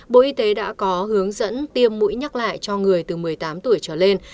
bộ y tế đã có hướng dẫn tiêm mũi nhắc lại cho người từ một mươi tám tuổi trở lên